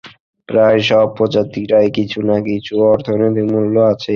প্রায় সব প্রজাতিরই কিছু না কিছু অর্থনৈতিক মূল্য আছে।